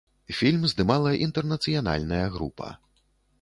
Фільм здымала інтэрнацыянальная група.